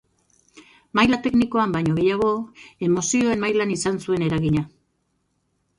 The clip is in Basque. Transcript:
Maila teknikoan baino gehiago, emozioen mailan izan zuen eragina.